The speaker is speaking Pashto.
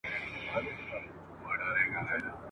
انګرېزان د نجات لاره تړي.